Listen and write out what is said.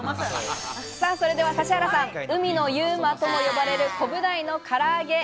それでは指原さん、海のＵＭＡとも呼ばれるコブダイの唐揚げ。